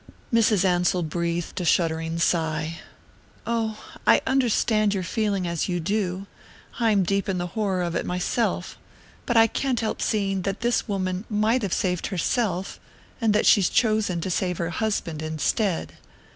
Mrs. Ansell breathed a shuddering sigh. "Oh, I understand your feeling as you do I'm deep in the horror of it myself. But I can't help seeing that this woman might have saved herself and that she's chosen to save her husband instead.